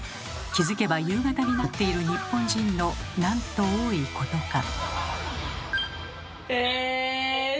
気付けば夕方になっている日本人のなんと多いことか。